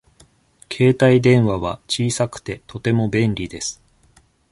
携帯電話は小さくて、とても便利です。